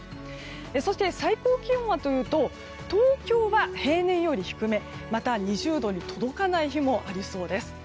そして、最高気温はというと東京は平年より低めまた２０度に届かない日もありそうです。